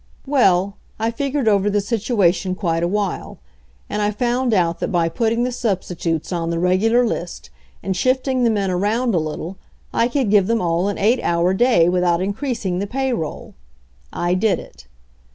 "Well, I figured over the situation quite a while and I found out that by putting the substitutes on the regular list and shifting the men around a little I could give them all an eight hour day without increasing the pay roll. I did it.